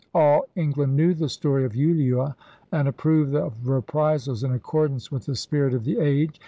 All England knew the story of Ulua and approved of reprisals in accordance with the spirit of the age.